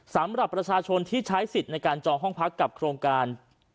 สำหรับประชาชนที่ใช้สิทธิ์ในการจองห้องพักกับโครงการ